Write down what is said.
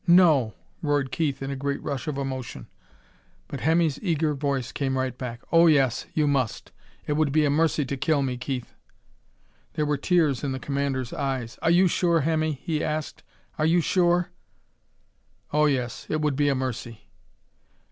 "No!" roared Keith in a great rush of emotion. But Hemmy's eager voice came right back: "Oh yes, you must! It would be a mercy to kill me, Keith." There were tears in the commander's eyes. "Are you sure, Hemmy?" he asked. "Are you sure?" "Oh, yes. It would be a mercy."